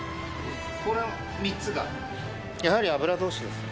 この３つがやはり油通しですね